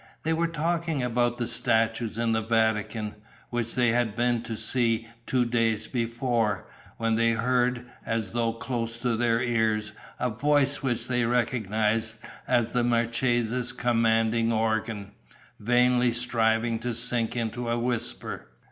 They were talking about the statues in the Vatican, which they had been to see two days before, when they heard, as though close to their ears, a voice which they recognized as the marchesa's commanding organ, vainly striving to sink into a whisper.